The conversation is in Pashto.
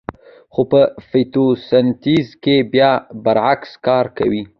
خو په فتوسنتیز کې بیا برعکس کار کوي